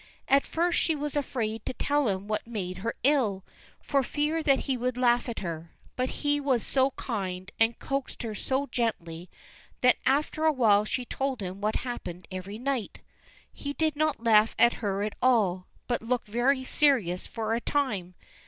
At first she was afraid to tell him what had made her ill, for fear that he would laugh at her. But he was so kind, and coaxed her so gently, that after a while she told him what happened every night. He did not laugh at her at all, but looked very serious for a time.